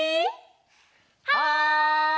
はい！